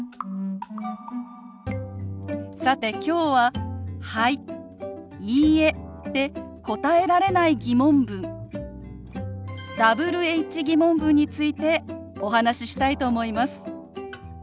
さてきょうは「はい」「いいえ」で答えられない疑問文Ｗｈ−疑問文についてお話ししたいと思います。